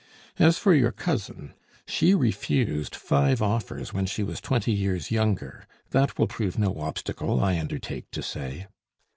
As for your cousin, she refused five offers when she was twenty years younger; that will prove no obstacle, I undertake to say."